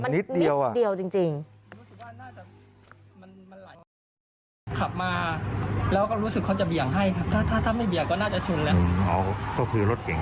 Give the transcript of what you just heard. นิดเดียวจริง